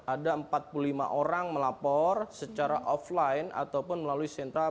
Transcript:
ada empat puluh lima orang melapor secara offline ataupun melalui sentral